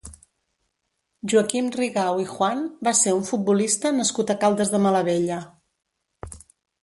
Joaquim Rigau i Juan va ser un futbolista nascut a Caldes de Malavella.